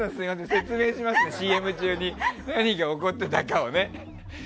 説明しますね、ＣＭ中に何が起こってたかをね。